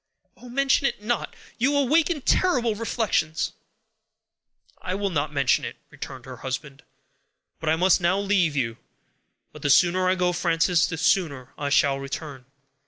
"Oh! mention it not! You awaken terrible reflections." "I will not mention it," returned her husband; "but I must now leave you. But the sooner I go, Frances, the sooner I shall return."